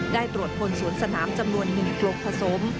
ได้ตรวจคนสวนสนามจำนวน๑ปลกผสม